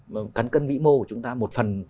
cái cán cân vĩ mô của chúng ta một phần